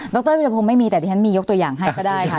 ดรวิทยาโภงไม่มีแต่ดิฉันมียกตัวอย่างให้ก็ได้ค่ะ